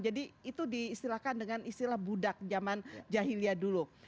jadi itu diistilahkan dengan istilah budak zaman jahiliya dulu